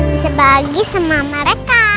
bisa bagi sama mereka